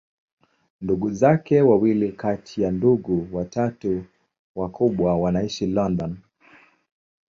Ndugu zake wawili kati ya ndugu watatu wakubwa wanaishi London.